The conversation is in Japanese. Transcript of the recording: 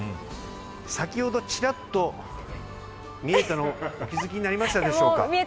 先ほどちらっと見えたの、お気付きになりましたでしょうか。